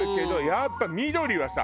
やっぱ緑はさ